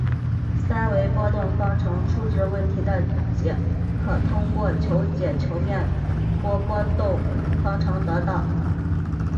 三维波动方程初值问题的解可以通过求解球面波波动方程得到。